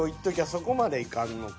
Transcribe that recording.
そこまでいかんのか？